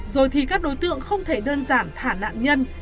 rồi thì các đối tượng không thể đơn giản thả nạn nhân